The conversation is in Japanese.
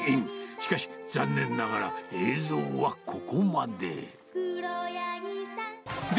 しかし、残念ながら映像はここまで。